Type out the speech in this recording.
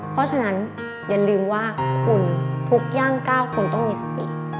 เพราะฉะนั้นอย่าลืมว่าคุณพกย่าง๙คนต้องมีสติ